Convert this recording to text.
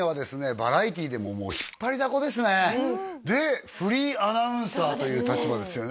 バラエティーでももう引っ張りだこですねでフリーアナウンサーという立場ですよね